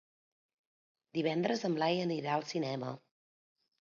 Divendres en Blai anirà al cinema.